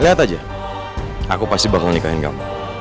lihat aja aku pasti bakal nikahin kamu